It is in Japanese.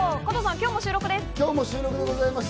今日も収録です。